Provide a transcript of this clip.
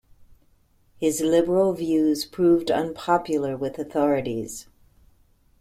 His liberal views proved unpopular with authorities.